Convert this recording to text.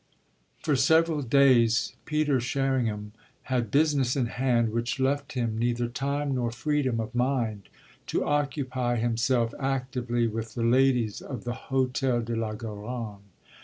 X For several days Peter Sherringham had business in hand which left him neither time nor freedom of mind to occupy himself actively with the ladies of the Hôtel de la Garonne.